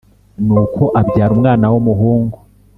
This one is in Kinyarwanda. Nuko abyara umwana w umuhungu